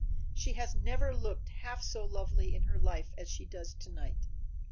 She has never looked half so lovely in her life as she does to night.